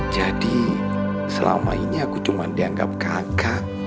jadi selama ini aku cuma dianggap kakak